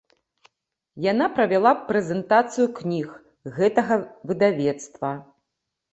Яна правяла прэзентацыю кніг гэтага выдавецтва.